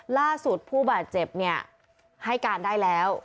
ล่าสุดผู้บาดเจ็บเนี่ยให้การได้แล้ว